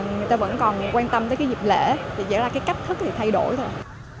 người ta vẫn còn quan tâm tới cái dịp lễ vậy là cái cách thức thì thay đổi thôi